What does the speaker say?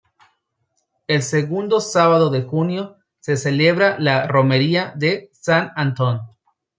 El segundo sábado de junio se celebra la romería de "San Antón".